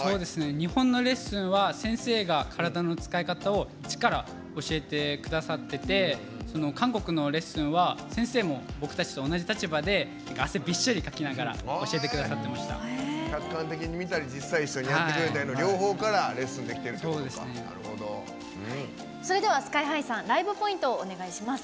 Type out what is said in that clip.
日本のレッスンは先生が体の使い方を一から教えてくださってて韓国のレッスンは先生も僕たちと同じ立場で汗びっしょりかきながら客観的に見たり実際、一緒にやってくれての両方からそれではＳＫＹ‐ＨＩさんライブポイントをお願いします。